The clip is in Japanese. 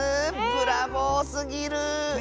ブラボーすぎる！